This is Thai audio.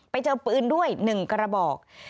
ไปเจอปืนด้วย๑กระบอก